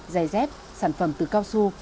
dây dép sản phẩm từ cao su